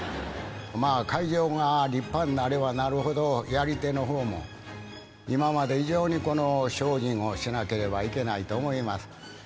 まあ会場が立派になればなるほどやり手の方も今まで以上にこの精進をしなければいけないと思います。